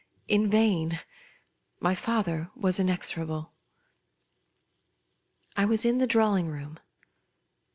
In vain j my father was inexorable. I was in the drawing room.